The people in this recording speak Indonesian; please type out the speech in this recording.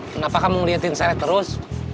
kenapa kamu ngeliatin saya terus